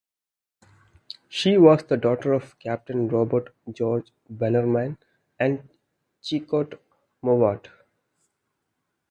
She was the daughter of Captain Robert George Bannerman and Chicot Mowat.